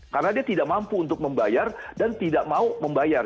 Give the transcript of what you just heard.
karena dia tidak mampu untuk membayar dan tidak mau membayar